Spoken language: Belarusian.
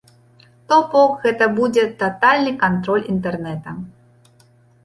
То бок, гэта будзе татальны кантроль інтэрнэта.